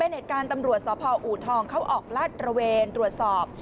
เหตุการณ์ตำรวจสพอูทองเขาออกลาดระเวนตรวจสอบ